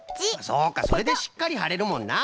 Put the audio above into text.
そうかそれでしっかりはれるもんな。